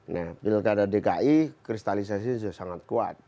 nah pilkada dki kristalisasi sudah sangat kuat